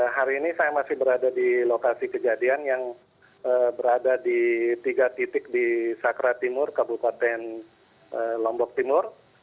hari ini saya masih berada di lokasi kejadian yang berada di tiga titik di sakra timur kabupaten lombok timur